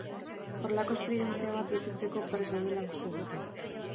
Horrelako esperientzia bat bizitzeko prest daudela uste dute.